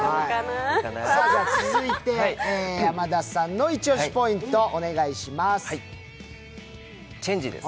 続いて山田さんのイチ押しポイントをお願いします。